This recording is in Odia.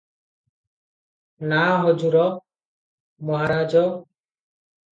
"ନା ହଜୁର! ମଙ୍ଗରାଜ ।"